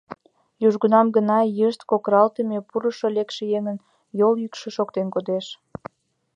Южгунам гына йышт кокыралтыме, пурышо-лекше еҥын йол йӱкшӧ шоктен кодеш.